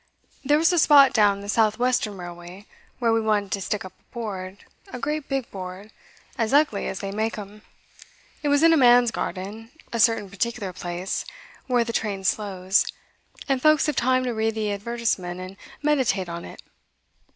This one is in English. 'There was a spot down the South Western Railway where we wanted to stick up a board, a great big board, as ugly as they make 'em. It was in a man's garden; a certain particular place, where the trains slow, and folks have time to read the advertisement and meditate on it.